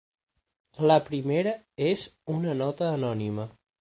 La primera és una nota anònima.